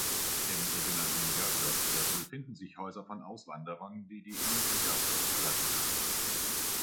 Im sogenannten Gavdos-Viertel finden sich Häuser von Auswanderern, die die Insel Gavdos verlassen haben.